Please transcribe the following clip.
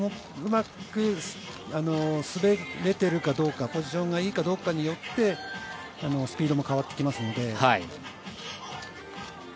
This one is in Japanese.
うまく滑れているかポジションがいいかどうかによってスピードも変わってきますので。